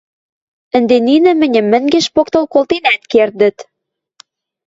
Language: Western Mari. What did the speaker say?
«Ӹнде нинӹ мӹньӹм мӹнгеш поктыл колтенӓт кердӹт.